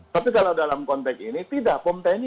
tapi kalau dalam konteks ini tidak pom tni